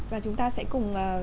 và chúng ta sẽ cùng